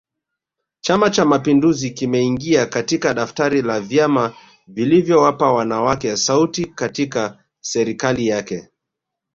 Chama Cha mapinduzi kimeingia katika daftari la vyama vilivyowapa wanawake sauti katika serikali yake